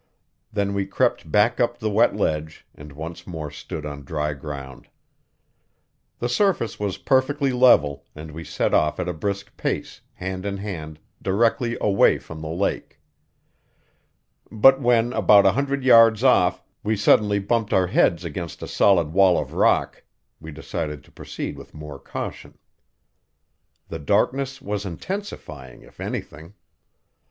Then we crept back up the wet ledge, and once more stood on dry ground. The surface was perfectly level, and we set off at a brisk pace, hand in hand, directly away from the lake. But when, about a hundred yards off, we suddenly bumped our heads against a solid wall of rock, we decided to proceed with more caution. The darkness was intensified, if anything.